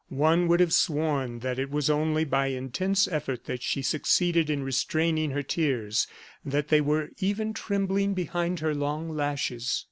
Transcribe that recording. One would have sworn that it was only by intense effort that she succeeded in restraining her tears that they were even trembling behind her long lashes.